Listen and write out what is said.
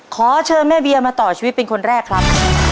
ขอเชิญแม่เบียมาต่อชีวิตเป็นคนแรกครับ